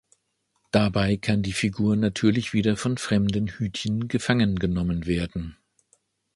Dabei kann die Figur natürlich wieder von fremden Hütchen gefangen genommen werden.